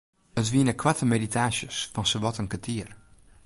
It wiene koarte meditaasjes fan sawat in kertier.